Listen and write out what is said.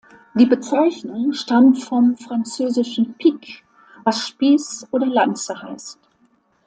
Die Bezeichnung stammt vom französischen "pique", was Spieß oder Lanze heißt.